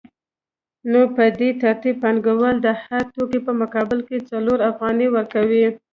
نو په دې ترتیب پانګوال د هر توکي په مقابل کې څلور افغانۍ ورکوي